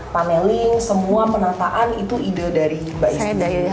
paneling semua penataan itu ide dari mbak saya